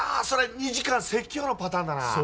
それ２時間説教のパターンだな。